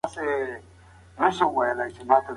هغه کسان چي په سياست کي ونډه اخلي خپل مسؤليت ترسره کوي.